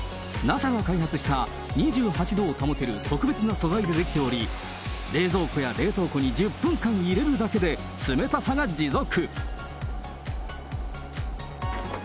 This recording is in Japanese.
ＮＡＳＡが開発した２８度を保てる特別な素材で出来ており、冷蔵庫や冷凍庫に１０分間入れるだけで冷たさが持続。